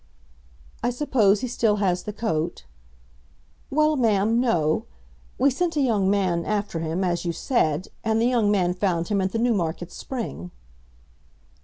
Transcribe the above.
"I suppose he still has the coat." "Well, Ma'am, no. We sent a young man after him, as you said, and the young man found him at the Newmarket Spring."